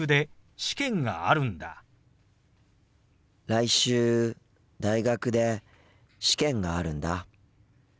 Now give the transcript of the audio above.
来週大学で試験があるんだ。